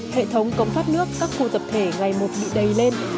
hệ thống cống thoát nước các khu tập thể ngày một bị đầy lên